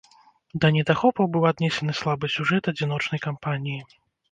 Да недахопаў быў аднесены слабы сюжэт адзіночнай кампаніі.